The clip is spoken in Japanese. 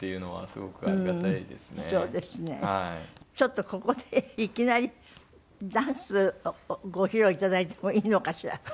ちょっとここでいきなりダンスをご披露頂いてもいいのかしら？